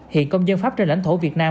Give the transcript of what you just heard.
hiện công dân pháp trên lãnh thổ việt nam